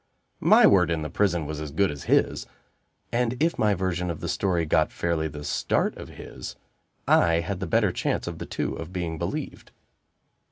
My word in the prison was as good as his; and if my version of the story got fairly the start of his, I had the better chance of the two of being believed.